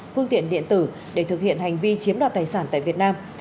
phương tiện điện tử để thực hiện hành vi chiếm đoạt tài sản tại việt nam